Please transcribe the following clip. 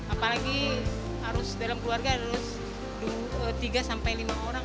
apalagi harus dalam keluarga harus tiga sampai lima orang